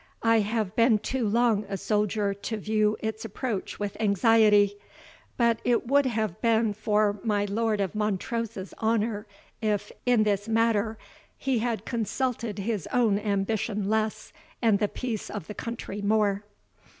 I have been too long a soldier to view its approach with anxiety; but it would have been for my Lord of Montrose's honour, if, in this matter, he had consulted his own ambition less, and the peace of the country more."